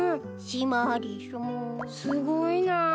すごいなぁ。